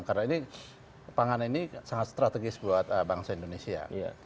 karena ini pangan ini sangat strategis buat bangsa indonesia